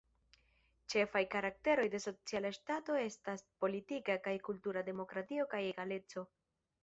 Ĉefaj karakteroj de Sociala Ŝtato estas politika kaj kultura demokratio kaj egaleco.